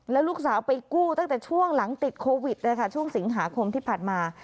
แล้วลูกสาวไปกู้ตั้งแต่ช่วงหลังติดโควิดเลยค่ะช่วงสิงหาคมที่ผ่านมา